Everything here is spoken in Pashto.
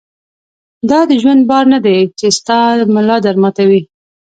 دا دژوند بار نۀ دی چې ستا ملا در ماتوي